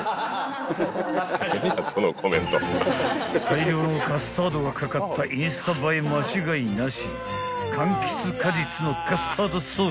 ［大量のカスタードが掛かったインスタ映え間違いなし］